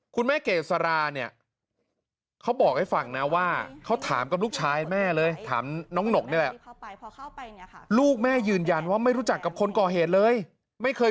คุณแม่เกษราเนี่ย